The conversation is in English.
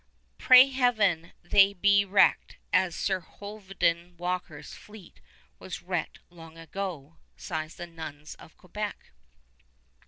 "Pray Heaven they be wrecked as Sir Hovenden Walker's fleet was wrecked long ago," sigh the nuns of Quebec.